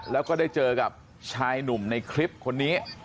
แล้วก็ได้เจอกับชายหนุ่มในคลิปคนนี้